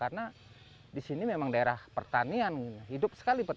kelembagaan di kota itu merupakan segala berpengaruhal yang m liters setelah negeri